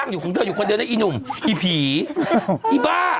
อยู่ข้างเธออยู่ข้างเธอนะอีหนุ่มอีผีอีบ้า